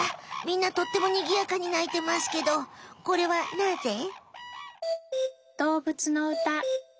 みんなとってもにぎやかにないてますけどこれはなぜ？